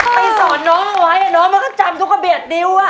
ไปสอนน้องไว้น้องเขาก็จำทุกเบียดดิ้ว